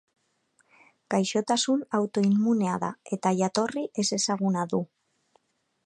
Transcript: Gaixotasun autoimmunea da eta jatorri ezezaguna du.